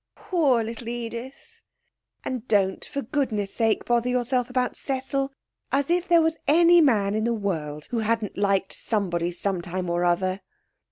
'Poor little Edith!' 'And don't for goodness sake bother yourself about Cecil. As if there was any man in the world who hadn't liked somebody some time or other!'